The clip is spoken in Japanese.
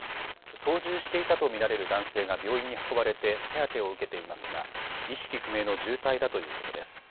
操縦していたと見られる男性が病院に運ばれて手当てを受けていますが意識不明の重体だということです。